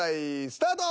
スタート！